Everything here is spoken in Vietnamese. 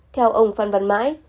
theo ông phan văn mãi